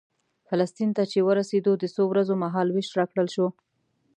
فلسطین ته چې ورسېدو د څو ورځو مهال وېش راکړل شو.